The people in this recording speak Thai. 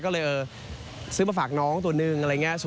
ก็เลยซื้อมาฝากน้องตัวนึงอะไรอย่างนี้